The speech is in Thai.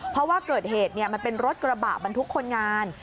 เพราะว่าเกิดเหตุมันเป็นรถกระบะบรรทุกคนงาน